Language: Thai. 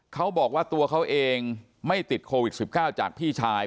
เขาบอกว่าตัวเขาเองไม่ติดโควิด๑๙จากพี่ชาย